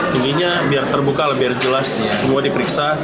tingginya biar terbuka lebih jelas semua diperiksa